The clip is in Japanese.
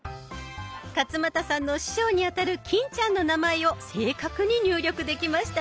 勝俣さんの師匠にあたる欽ちゃんの名前を正確に入力できましたね。